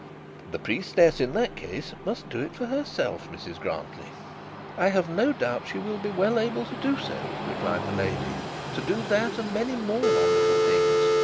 'The priestess in that case must do it for herself, Mrs Grantly.' 'I have no doubt she will be well able to do so,' replied the lady; 'to do that and many more wonderful things.